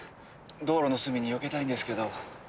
道路の隅によけたいんですけど。